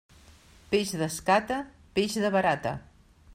Peix d'escata, peix de barata.